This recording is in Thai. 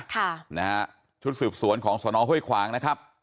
ค่ะนะฮะชุดสืบสวนของสนห้วยขวางนะครับ